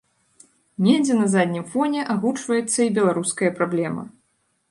Недзе на заднім фоне агучваецца і беларуская праблема.